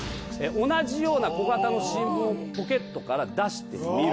「同じような小型の新聞をポケットから出してみる」。